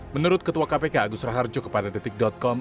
menurut ketua kpk agus raharjo kepada detik com